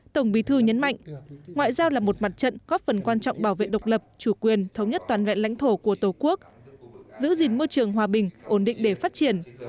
tổng bí thư nhấn mạnh ngoại giao là một mặt trận góp phần quan trọng bảo vệ độc lập chủ quyền thống nhất toàn vẹn lãnh thổ của tổ quốc giữ gìn môi trường hòa bình ổn định để phát triển